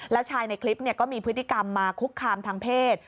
แล้วชายในคลิปก็มีพฤติกรรมมาคุกคามทางเพศ